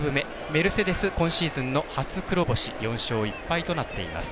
メルセデス、今シーズンの初黒星、４勝１敗となっています。